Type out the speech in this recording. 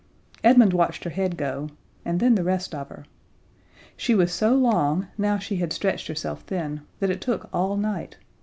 Edmund watched her head go and then the rest of her. She was so long, now she had stretched herself thin, that it took all night.